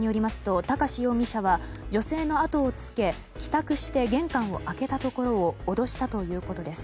警視庁によりますと高師容疑者は女性のあとをつけ帰宅して玄関を開けたところを脅したということです。